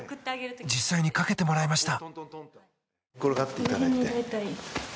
実際にかけてもらいました。